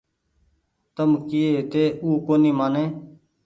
تم ڪيئي هيتي او ڪونيٚ مآني